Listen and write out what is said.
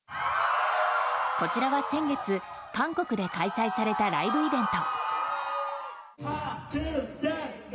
こちらは先月韓国で開催されたライブイベント。